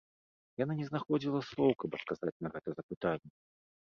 Яна не знаходзіла слоў, каб адказаць на гэта запытанне.